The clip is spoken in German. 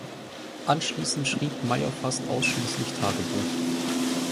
Anschliessend schrieb Meyer fast ausschliesslich Tagebuch.